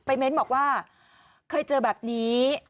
เม้นบอกว่าเคยเจอแบบนี้